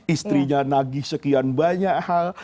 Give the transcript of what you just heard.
istrinya nagih sekian banyak hal